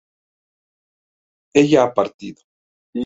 ¿ella ha partido?